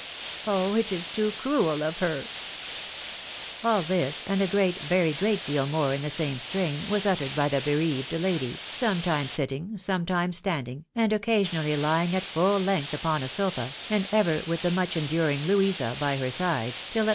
Oh I it is too cruel of her !" All this, and a great, a very great deal more in the same strain, was uttered by the bereaved lady, sometimes sitting, sometimes standing, and occasionally lying at fuU length upon a sofa, and ever with the much enduring Louisa by her side, till at